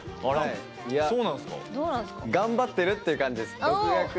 いや、頑張ってるっていう感じです。